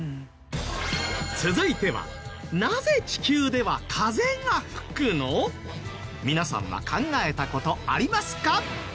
続いては皆さんは考えた事ありますか？